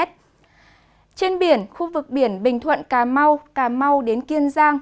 trên biển khu vực biển bình thuận cà mau cà mau đến kiên giang